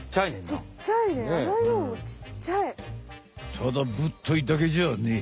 ただぶっといだけじゃねえ。